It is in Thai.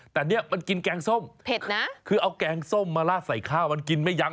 แต่เนี่ยมันกินแกงส้มเผ็ดนะคือเอาแกงส้มมาลาดใส่ข้าวมันกินไม่ยั้ง